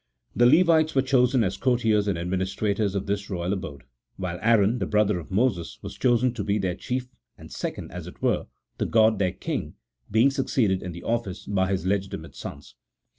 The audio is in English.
The Levites were chosen as courtiers and administrators of this royal abode; while Aaron, the brother of Moses, was chosen to be their chief and second, as it were, to God their King, being succeeded in the office by his legitimate sons.